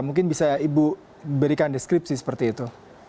mungkin bisa ibu berikan deskripsi seperti itu